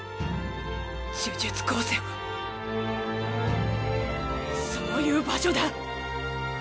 呪術高専はそういう場所だ。